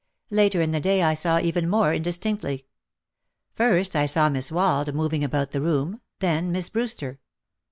Later in the day I saw even more indistinctly. First I saw Miss Wald moving about the room, then Miss Brewster.